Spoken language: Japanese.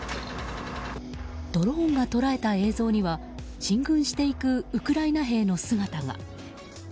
ドローンが捉えた映像には進軍していくウクライナ兵の姿が。